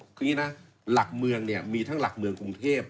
คืออย่างนี้นะหลักเมืองเนี่ยมีทั้งหลักเมืองกรุงเทพ